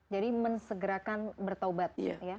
jadi mensegerakan bertobat